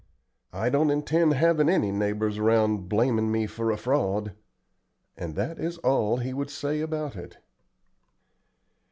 I don't intend havin' any neighbors around blamin' me for a fraud;" and that is all he would say about it.